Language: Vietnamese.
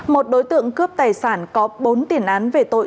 một đối tượng cướp tài sản có bốn tiền án về tài sản